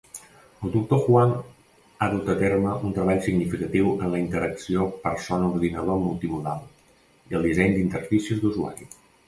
El doctor Huang ha dut a terme un treball significatiu en la interacció persona-ordinador multimodal i el disseny d'interfícies d'usuari.